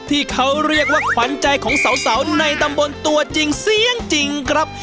ที่เขาเรียกว่าขวัญใจของสาวในตำบลตัวจริงครับ